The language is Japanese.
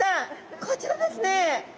こちらですね！